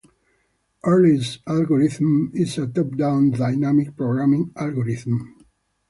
Earley's algorithm is a top-down dynamic programming algorithm.